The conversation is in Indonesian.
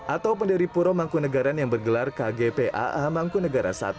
atau pendiri puro mangkunegaran yang bergelar kgpaa mangkunegara i